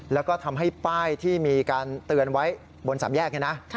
แล้วก็ทำให้ป้ายที่มีการเตือนไว้บนสามแยกนี่นะ